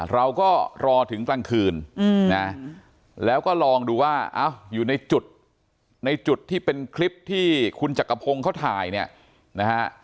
เราก็รอถึงกลางคืนนะแล้วก็ลองดูว่าอยู่ในจุดในจุดที่เป็นคลิปที่คุณจักรพงศ์เขาถ่ายเนี่ยนะฮะ